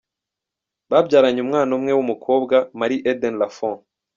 Babyaranye umwana umwe w’umukobwa, Marie-Éden Lafond.